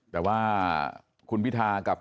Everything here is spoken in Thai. แต่ว่าคุณพิทากับ